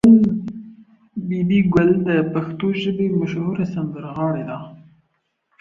بي بي ګل د پښتو ژبې مشهوره سندرغاړې ده.